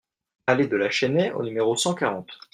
Allée de la Chênaie au numéro cent quarante